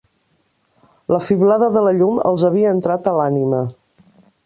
La fiblada de la llum els havia entrat a l'ànima